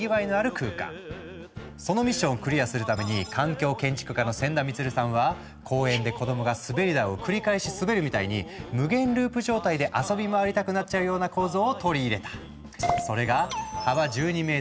そのミッションをクリアするために環境建築家の仙田満さんは公園で子どもが滑り台を繰り返し滑るみたいに無限ループ状態で遊び回りたくなっちゃうような構造を取り入れた。